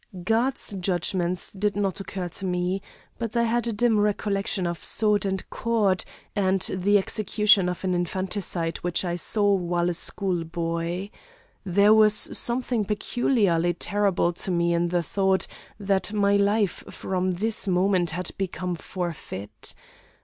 "God's judgments did not occur to me, but I had a dim recollection of sword and cord, and the execution of an infanticide which I saw while a school boy. There was something peculiarly terrible to me in the thought that my life from this moment had become forfeit.